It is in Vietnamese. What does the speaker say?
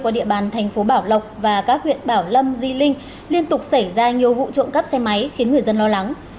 thành phố bảo lộc và các huyện bảo lâm di linh liên tục xảy ra nhiều vụ trộm cắt xe máy khiến người dân lo lắng